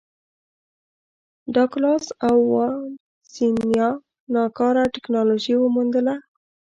ډاګلاس او وانسینا ناکاره ټکنالوژي وموندله.